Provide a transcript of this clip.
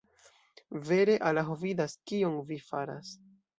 Vere Alaho vidas, kion vi faras.